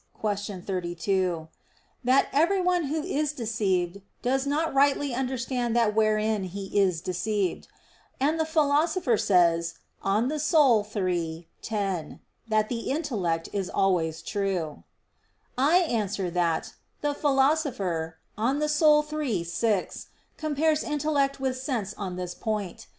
32), that "everyone who is deceived, does not rightly understand that wherein he is deceived." And the Philosopher says (De Anima iii, 10), that "the intellect is always true." I answer that, The Philosopher (De Anima iii, 6) compares intellect with sense on this point.